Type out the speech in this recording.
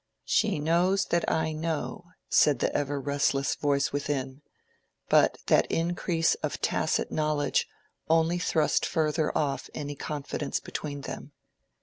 "She knows that I know," said the ever restless voice within; but that increase of tacit knowledge only thrust further off any confidence between them.